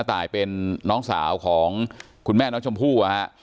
อยากให้สังคมรับรู้ด้วย